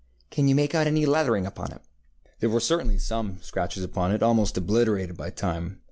Can you make out any lettering upon it? ŌĆØ There were certainly some scratches upon it, almost obliterated by time.